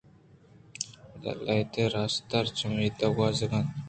پدا لہتیں رستر چمدا گوٛزگ ءَ اَت